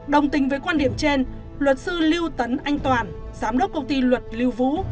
đồng tình với quan điểm trên luật sư lưu tấn anh toàn giám đốc công ty luật lưu vũ